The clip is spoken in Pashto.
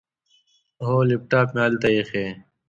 هو، لیپټاپ مې هلته ایښی.